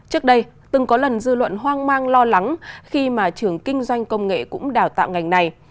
trước đây từng có lần dư luận hoang mang lo lắng khi mà trường kinh doanh công nghệ cũng đào tạo ngành này